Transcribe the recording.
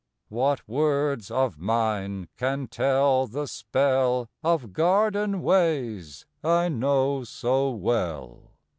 III. What words of mine can tell the spell Of garden ways I know so well?